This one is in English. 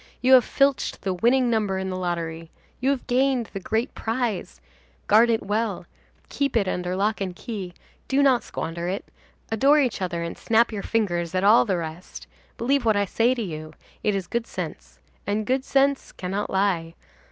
You have filched the winning number in the lottery; you have gained the great prize, guard it well, keep it under lock and key, do not squander it, adore each other and snap your fingers at all the rest. Believe what I say to you. It is good sense. And good sense cannot lie.